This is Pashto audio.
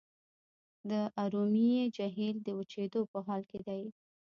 د ارومیې جهیل د وچیدو په حال کې دی.